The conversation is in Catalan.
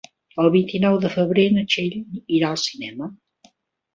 El vint-i-nou de febrer na Txell irà al cinema.